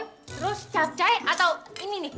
terus cacai atau ini nih